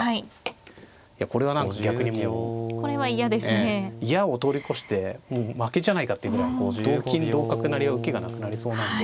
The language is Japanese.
ええ嫌を通り越してもう負けじゃないかっていうぐらい同金同角成は受けがなくなりそうなんで。